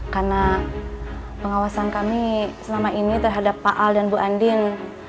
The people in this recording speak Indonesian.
karena pengawasan kami selama ini terhadap pak al dan bu andin